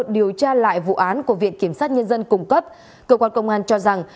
điều tra lại vụ án của viện kiểm sát nhân dân cung cấp cơ quan công an cho rằng